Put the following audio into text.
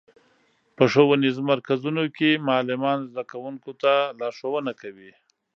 په ښوونیزو مرکزونو کې معلمان زدهکوونکو ته لارښوونه کوي.